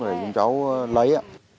để chúng cháu lấy